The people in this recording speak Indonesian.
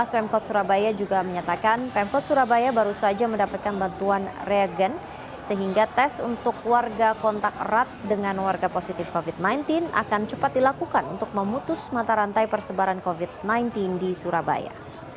pemkot surabaya juga menyatakan pemkot surabaya baru saja mendapatkan bantuan reagen sehingga tes untuk warga kontak erat dengan warga positif covid sembilan belas akan cepat dilakukan untuk memutus mata rantai persebaran covid sembilan belas di surabaya